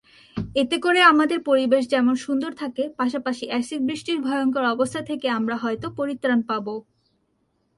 এতে করে আমাদের পরিবেশ যেমন সুন্দর থাকে পাশাপাশি এসিড বৃষ্টির ভয়ংকর অবস্থা থেকে আমরা হয়ত পরিত্রাণ পাব।